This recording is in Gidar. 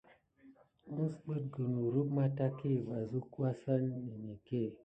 Misbukine kurum mantaki vas suck ya sane neke.